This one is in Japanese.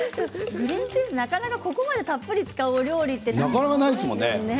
グリンピースをここまでたっぷり使うお料理ってなかなかないですね。